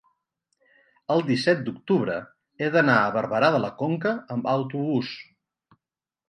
el disset d'octubre he d'anar a Barberà de la Conca amb autobús.